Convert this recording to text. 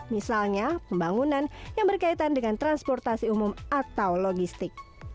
misalnya pembangunan yang berkaitan dengan transportasi umum atau logistik